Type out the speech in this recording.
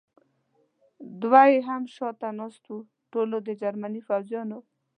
دوه یې هم شاته ناست و، ټولو د جرمني پوځیانو.